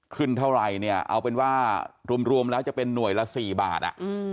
ขึ้นเท่าไหร่เนี่ยเอาเป็นว่ารวมแล้วจะเป็นหน่วยละ๔บาท